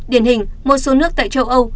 điển hình một số nước tại châu âu